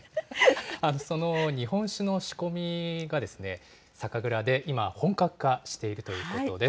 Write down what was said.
その日本酒の仕込みが、酒蔵で今、本格化しているということです。